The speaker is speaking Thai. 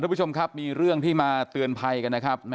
คุณผู้ชมครับมีเรื่องที่มาเตือนภัยกันนะครับ